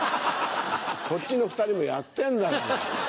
こっちの２人もやってんだから。